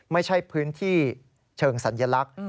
ไม่ใช่พื้นที่เชิงสัญลักษณ์